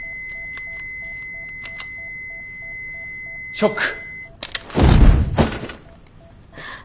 ショック！